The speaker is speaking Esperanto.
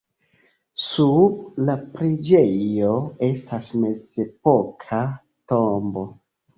Sub la preĝejo estas mezepoka tombo.